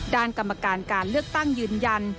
กรรมการการเลือกตั้งยืนยัน